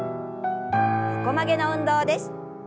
横曲げの運動です。